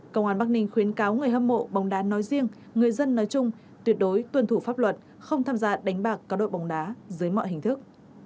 công an bắc ninh khuyến cáo người hâm mộ bóng đá nói riêng người dân nói chung tuyệt đối tuân thủ pháp luật không tham gia đánh bạc có đội bóng đá dưới mọi hình thức